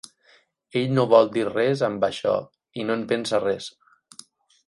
Ell no vol dir res, amb això, i no en pensa res.